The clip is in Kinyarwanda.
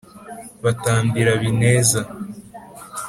batambira b’ineza